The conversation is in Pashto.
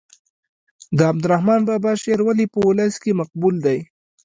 د عبدالرحمان بابا شعر ولې په ولس کې مقبول دی.